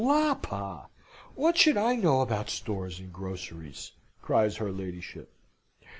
"La, pa! what should I know about stores and groceries?" cries her ladyship.